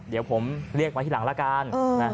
เดี๋ยวผมเรียกไว้ที่หลังละกัน